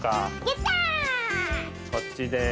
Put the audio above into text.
こっちです。